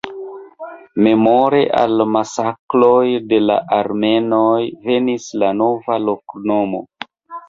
Memore al masakroj de la armenoj venis la nova loknomo.